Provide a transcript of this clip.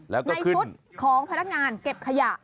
ในชุดของพนักงานเก็บขยะ